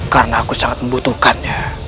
karena aku sangat membutuhkannya